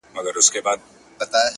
زما غمی یې دی له ځانه سره وړﺉ,